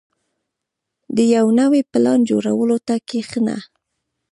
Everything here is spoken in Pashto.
• د یو نوي پلان جوړولو ته کښېنه.